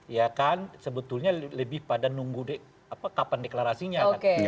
iya kan sebetulnya lebih pada nunggu kapan deklarasinya kan